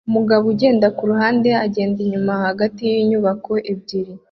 Umugabo ugenda kuruhande agenda anyura hagati yinyubako ebyiri